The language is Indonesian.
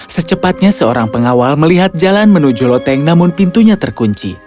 secepatnya seorang pengawal melihat jalan menuju loteng namun pintunya terkunci